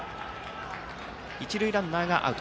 一塁ランナーがアウト。